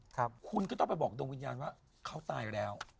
คุณก็ต้องไปบอกดวงวิญญาณว่าเขาตายแล้ว